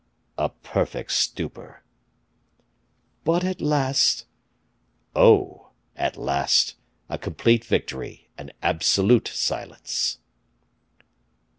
"A perfect stupor." "But at last?" "Oh! at last, a complete victory, and absolute silence."